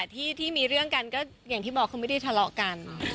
ที่มีเรื่องกันก็อย่างที่บอกคือไม่ได้ทะเลาะกัน